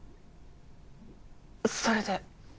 それで？